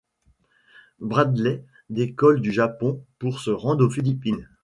Bradley décolle du Japon pour se rendre aux Philippines.